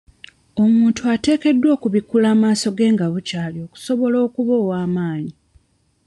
Omuntu ateekeddwa okubikkula amaaso ge nga bukyali okusobola okuba ow'amaanyi.